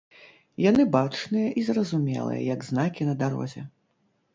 Яны бачныя і зразумелыя, як знакі на дарозе.